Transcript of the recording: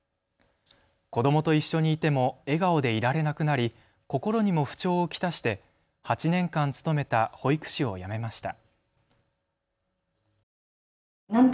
子どもと一緒にいても笑顔でいられなくなり心にも不調を来して８年間勤めた保育士を辞めました。